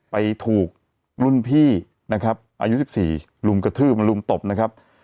ไปถูกรุ่นพี่นะครับอายุ๑๔ลุมกระทืบมาลุมตบนะครับ